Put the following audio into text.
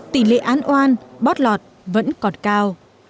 tỷ lệ án oan bót lọt vẫn còn cao